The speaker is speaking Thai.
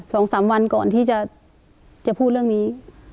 สองสามวันก่อนที่จะจะพูดเรื่องนี้